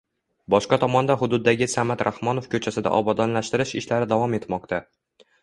Boshqa tomonda hududdagi Samat Rahmonov koʻchasida obodonlashtirish ishlari davom etmoqda.